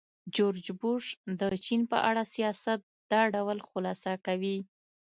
جورج بوش د چین په اړه سیاست دا ډول خلاصه کوي.